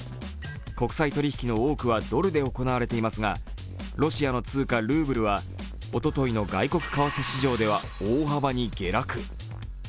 国際取引の多くはドルで行われていますが、ロシアの通貨ルーブルはおとといの外国為替市場では大幅に下落。